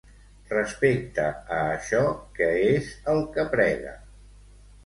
Respecte a això, què és el que prega?